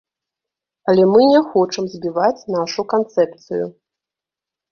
Але мы не хочам збіваць нашу канцэпцыю.